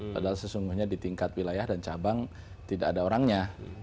padahal sesungguhnya di tingkat wilayah dan cabang tidak ada orangnya